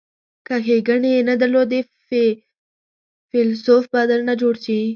که ښیګڼې یې نه درلودلې فیلسوف به درنه جوړ شي.